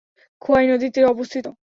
খোয়াই নদীর তীরে অবস্থিত।